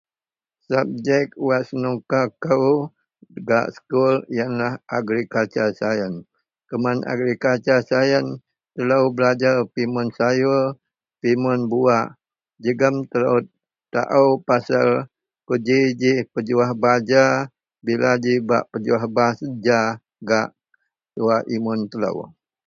Subjek wak senuka kou gak sekul iyenlah Agriculture Science kuman Agriculture Science telo belajar pimun sayor, pimun buwak jegem telo taao pasel ku jiji pejuwah baja, bila ji bak pejuwah baja gak imun telo.